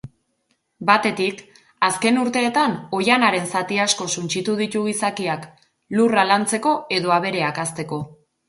Batetik, azken urteetan oihanaren zati asko suntsitu ditu gizakiak, lurra lantzeko edo abereak hazteko.